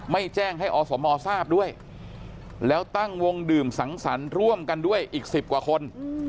ไม่แจ้งให้อสมทราบด้วยแล้วตั้งวงดื่มสังสรรค์ร่วมกันด้วยอีก๑๐กว่าคน